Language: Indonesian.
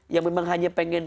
yang memang hanya pengen